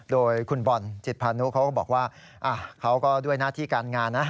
โดยคุณบอลจิตพานุเขาก็บอกว่าเขาก็ด้วยหน้าที่การงานนะ